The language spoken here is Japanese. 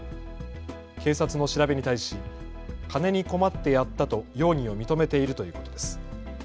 警察の調べに対し金に困ってやったと容疑を認めているということです。